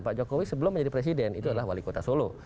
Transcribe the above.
pak jokowi sebelum menjadi presiden itu adalah wali kota solo